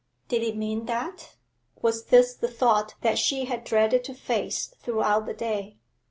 Did it mean that? Was this the thought that she had dreaded to face throughout the day?